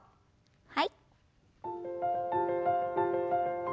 はい。